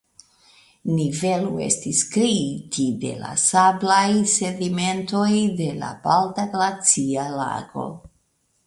Nivelo estis kreiti de la sablaj sedimentoj de la Balta Glacia Lago.